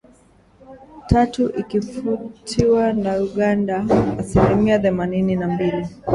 tatu ikifuatiwa na Uganda asilimia themanini na mbili